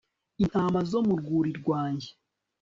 intama zo mu rwuri rwanjye